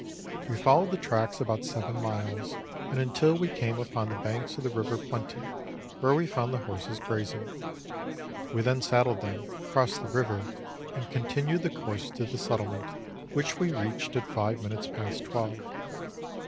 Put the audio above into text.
We followed the tracks about seven miles, and until we came upon the banks of the River Plenty, where we found the horses grazing. We then saddled them, crossed the river, and continued the course to th'e settlement, which we reached at five minutes past twelve.